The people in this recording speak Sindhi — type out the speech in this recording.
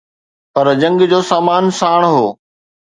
پر جنگ جو سامان ساڻ هو.